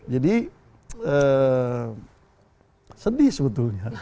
jadi sedih sebetulnya